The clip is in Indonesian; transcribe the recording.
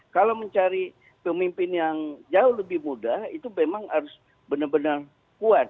kalau mencari pemimpin yang jauh lebih muda itu memang harus benar benar kuat